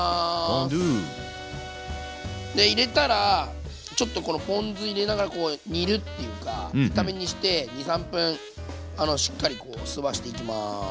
ポンドゥ。で入れたらちょっとこのポン酢入れながら煮るっていうか炒め煮して２３分しっかり吸わしていきます。